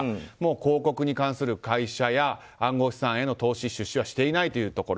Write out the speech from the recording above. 広告に関する会社や暗号資産への投資、出資はしていないというところ。